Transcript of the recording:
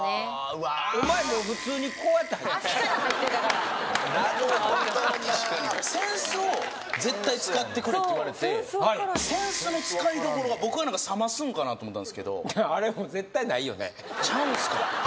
うわーお前もう普通にこうやって入って足から入ってたからなるほどな扇子を絶対使ってくれって言われて扇子の使いどころが僕はなんか冷ますんかなと思ったんですけどあれも絶対ないよねちゃうんすか？